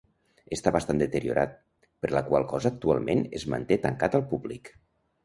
Està bastant deteriorat, per la qual cosa actualment es manté tancat al públic.